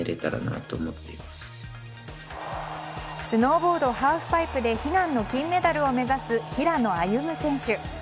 スノーボード・ハーフパイプで悲願の金メダルを目指す平野歩夢選手。